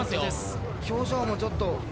表情もちょっと。